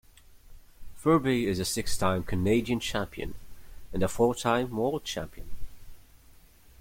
Ferbey is a six-time Canadian champion and a four-time World Champion.